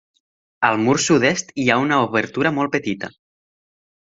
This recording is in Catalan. Al mur sud-est, hi ha una obertura molt petita.